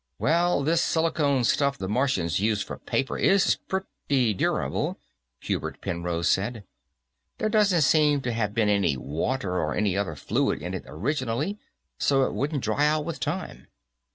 "Well, this silicone stuff the Martians used for paper is pretty durable," Hubert Penrose said. "There doesn't seem to have been any water or any other fluid in it originally, so it wouldn't dry out with time."